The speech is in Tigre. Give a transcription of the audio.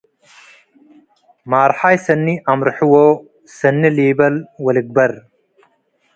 ማርሓይ ሰኒ አምርሕዎ - ሰኒ ሊበል ወልግበር